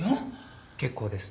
結構です。